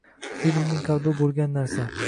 Filmning qalbi bo‘lgan narsa.